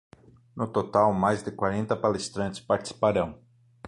No total, mais de quarenta palestrantes participarão.